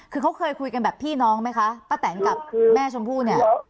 คือเขาเคยคุยกันแบบพี่น้องไหมคะป้าแตนกับแม่ชมพู่เนี่ย